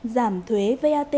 giảm thuế vat với hàng hóa